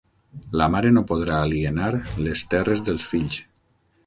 La mare no podrà alienar les terres dels fills.